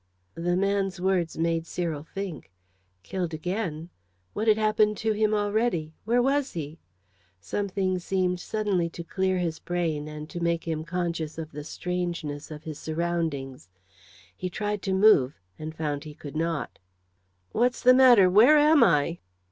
The man's words made Cyril think. Killed again? What had happened to him already? Where was he? Something seemed suddenly to clear his brain, and to make him conscious of the strangeness of his surroundings. He tried to move, and found he could not. "What's the matter? Where am I?"